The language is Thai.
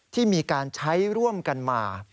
ที่มีการใช้ร่วมกันมา